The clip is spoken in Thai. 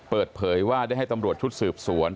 เปิดเผยว่าได้ให้ตำรวจชุดสืบสวน